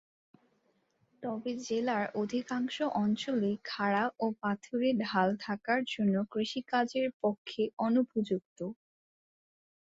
তবে জেলার অধিকাংশ অঞ্চলেই খাড়া ও পাথুরে ঢাল থাকার জন্য কৃষিকাজের পক্ষে অনুপযুক্ত।